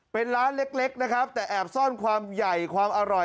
เป็นร้านเล็กแต่อาจแอบซ่อนความใหญ่ความอร่อย